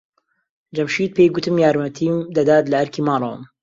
جەمشید پێی گوتم یارمەتیم دەدات لە ئەرکی ماڵەوەم.